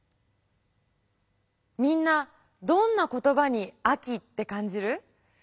みんなどんな言葉に秋ってかんじる？